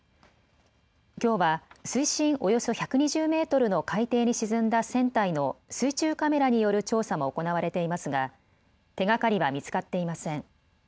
きょうは水深およそ１２０メートルの海底に沈んだ船体の水中カメラによる調査も行われていますが手がかりは見つかっていません。